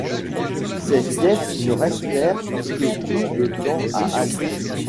Ces fiefs ne restèrent que peu de temps à Alix.